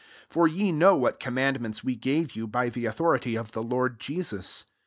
2 For ye know what commandments we gave you by t/ie authority o/'the Lord Jesus.